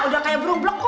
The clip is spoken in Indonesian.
udah kayak burung burung